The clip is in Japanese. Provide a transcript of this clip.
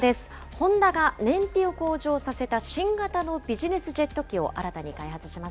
ホンダが燃費を向上させた新型のビジネスジェット機を新たに開発